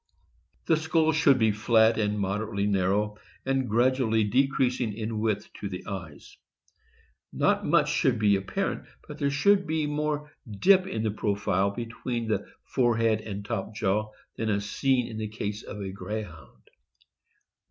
The skull should be flat and moderately narrow, and gradually decreasing in width to the eyes. Not much 4 i stop '' should be apparent, but there should be more dip in the profile between the forehead and top jaw than is seen in the case of a Greyhound.